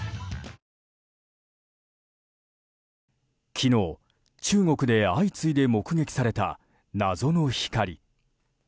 昨日、中国で相次いで目撃された謎の光。